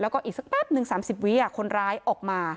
แล้วก็อีกสักแป๊บหนึ่งสามสิบวิอ่ะคนร้ายออกมา